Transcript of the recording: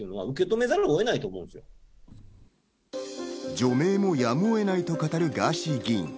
除名もやむを得ないと語るガーシー議員。